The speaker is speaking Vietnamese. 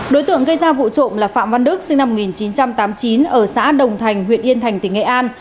đối tượng gây ra vụ trộm là phạm văn đức sinh năm một nghìn chín trăm tám mươi chín ở xã đồng thành huyện yên thành tỉnh nghệ an